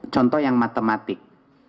contoh yang matematik